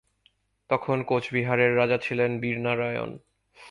তখন কোচবিহারের রাজা ছিলেন বীর নারায়ণ।